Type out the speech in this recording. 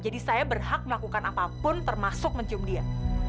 jadi saya berhak melakukan apapun termasuk mencium dia